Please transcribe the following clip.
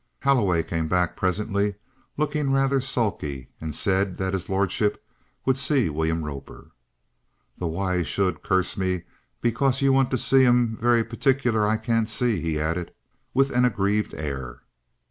Holloway came back presently, looking rather sulky, and said that his lordship would see William Roper. "Though why 'e should curse me because you want to see 'im very partic'ler, I can't see," he added, with an aggrieved air.